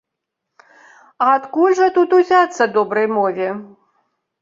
Адкуль жа тут узяцца добрай мове?